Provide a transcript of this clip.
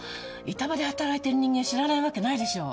板場で働いてる人間知らないわけないでしょ。